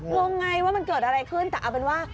งงไงว่ามันเกิดอะไรขึ้นแต่เอาเป็นว่า